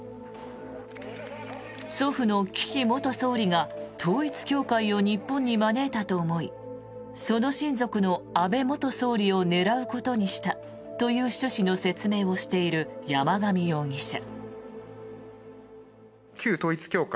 祖父の岸元総理が統一教会を日本に招いたと思いその親族の安倍元総理を狙うことにしたという趣旨の説明をしている山上容疑者。